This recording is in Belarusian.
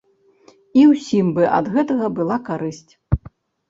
І ўсім бы ад гэтага была карысць.